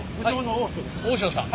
大塩さん。